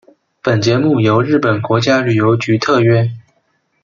本节目由日本国家旅游局特约。